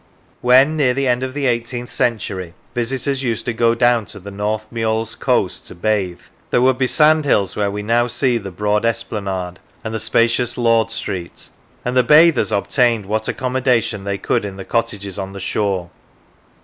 When, near the end of the eighteenth century, visitors used to go down to the North Meols coast to bathe, there would be sandhills where we now see the broad esplanade and the spacious Lord Street; and the bathers obtained what accommodation they could in the cottages on the shore.